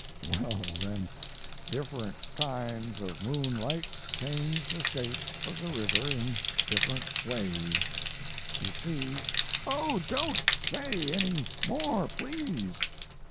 Well, then, different kinds of moonlight change the shape of the river in different ways. You see " "Oh, don't say any more, please!